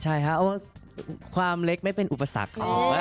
ใช่ครับเอาว่าความเล็กไม่เป็นอุปสรรค